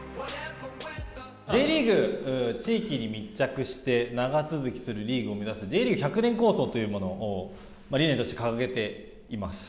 Ｊリーグ、地域に密着して、長続きするリーグを目指すＪリーグ百年構想というものを理念として掲げています。